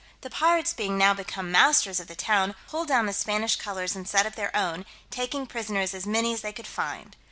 The pirates being now become masters of the town, pulled down the Spanish colours and set up their own, taking prisoners as many as they could find.